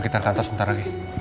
kita kantor sebentar lagi